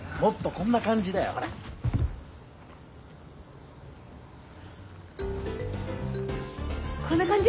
こんな感じ？